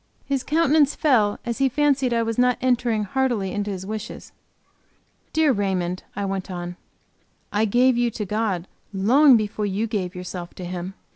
His countenance fell as he fancied I was not entering heartily into his wishes. "Dear Raymond," I went on, "I gave you to God long before you gave yourself to Him.